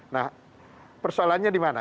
nah persoalannya dimana